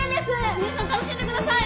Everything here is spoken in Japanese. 皆さん楽しんでください！